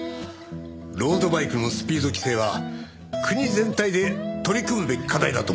ロードバイクのスピード規制は国全体で取り組むべき課題だと思っております。